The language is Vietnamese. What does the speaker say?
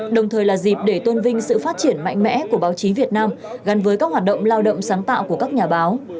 đồng thời là dịp để tôn vinh sự phát triển mạnh mẽ của báo chí việt nam gắn với các hoạt động lao động sáng tạo của các nhà báo